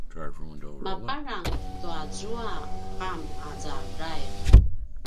mapadrang tuazua qam aza drail